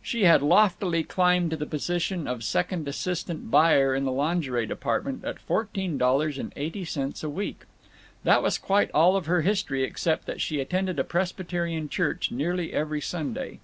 She had loftily climbed to the position of second assistant buyer in the lingerie department, at fourteen dollars and eighty cents a week That was quite all of her history except that she attended a Presbyterian church nearly every Sunday.